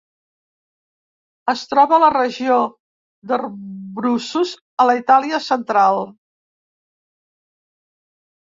Es troba a la regió d'Abruços a la Itàlia central.